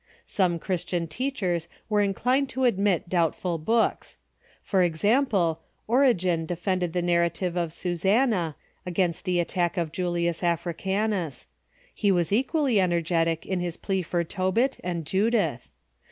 Some Christian teachers were inclined to admit doubtful books. For example: Origen defended the narrative of Susanna, against the attack of Julius Africanus; he was equally energetic in his plea for Tobit and Judith.